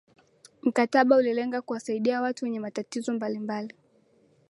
mkataba ulilenga kuwasaidia watu wenye matatizo mbalimbali